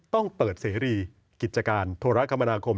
ต้องเปิดเสรีกิจการโทรคมนาคม